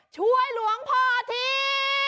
ช่วยหลวงพ่อที